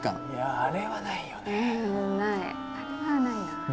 あれはないな。